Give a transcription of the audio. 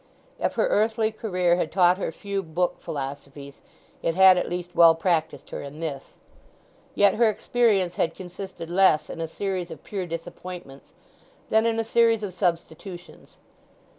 If her earthly career had taught her few book philosophies it had at least well practised her in this. Yet her experience had consisted less in a series of pure disappointments than in a series of substitutions.